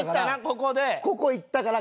ここいったから。